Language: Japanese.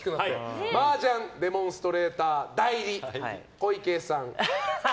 麻雀デモンストレーター代理小池さん。